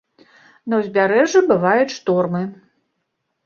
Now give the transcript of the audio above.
На ўзбярэжжы бываюць штормы.